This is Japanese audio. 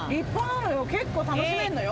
結構楽しめるのよ